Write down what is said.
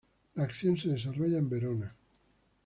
La acción se desarrolla en Verona.